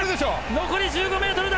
残り１５ｍだ！